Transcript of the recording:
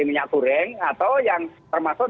minyak goreng atau yang termasuk